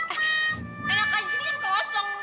eh enak aja sini kan kosong